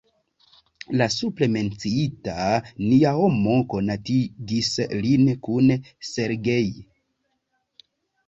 La supre menciita Nia Homo konatigis lin kun Sergej.